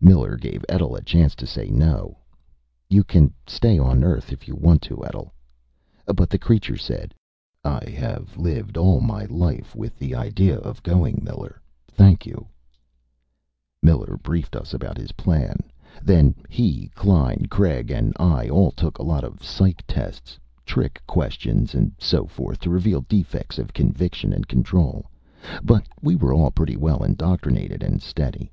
Miller gave Etl a chance to say no. "You can stay on Earth if you want to, Etl." But the creature said: "I have lived all my life with the idea of going, Miller. Thank you." Miller briefed us about his plan. Then he, Klein, Craig and I all took a lot of psych tests trick questioning and so forth to reveal defects of conviction and control. But we were all pretty well indoctrinated and steady.